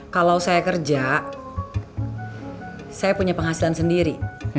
kalau saya kerja saya punya penghasilan sendiri